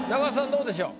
どうでしょう？